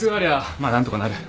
まあ何とかなる。